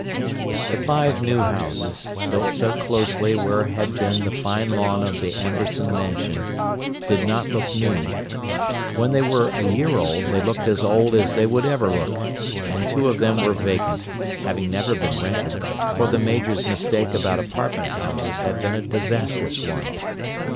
The five new houses, built so closely where had been the fine lawn of the Amberson Mansion, did not look new. When they were a year old they looked as old as they would ever look; and two of them were vacant, having never been rented, for the Major's mistake about apartment houses had been a disastrous one.